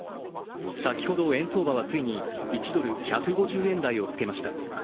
先ほど円相場はついに１ドル＝１５０円台をつけました。